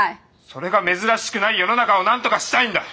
それが珍しくない世の中をなんとかしたいんだ！